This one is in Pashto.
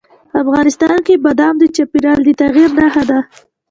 افغانستان کې بادام د چاپېریال د تغیر نښه ده.